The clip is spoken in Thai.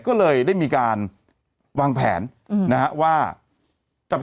ก็เลยได้มีการวางแผนอืมนะฮะว่าจะ